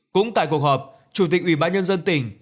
cũng tại cuộc họp chủ tịch ubnd tỉnh